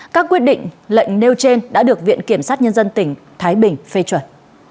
các quyết định lệnh nêu trên đã được viện kiểm sát nhân dân tỉnh thái bình phê chuẩn